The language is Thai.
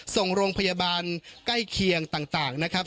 ส่งโรงพยาบาลใกล้เคียงต่างนะครับ